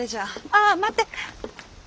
ああ待って。